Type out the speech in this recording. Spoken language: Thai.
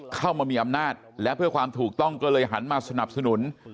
เข้ามามีอำนาจและเพื่อความถูกต้องก็เลยหันมาสนับสนุน